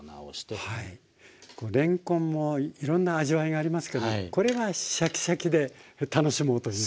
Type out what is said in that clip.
こうれんこんもいろんな味わいがありますけどこれはシャキシャキで楽しもうという。